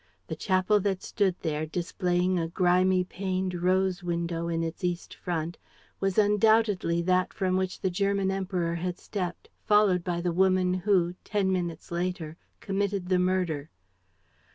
The chapel that stood there, displaying a grimy paned rose window in its east front, was undoubtedly that from which the German Emperor had stepped, followed by the woman who, ten minutes later, committed the murder.